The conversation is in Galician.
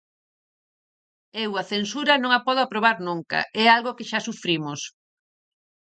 Eu a censura non a podo aprobar nunca, é algo que xa sufrimos.